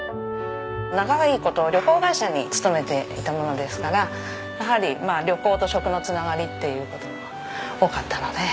長い事旅行会社に勤めていたものですからやはりまあ旅行と食の繋がりっていう事も多かったので。